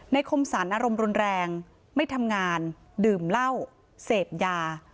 คมสรรอารมณ์รุนแรงไม่ทำงานดื่มเหล้าเสพยา